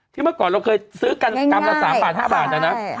เมื่อก่อนเราเคยซื้อกันกรัมละ๓บาท๕บาทนะ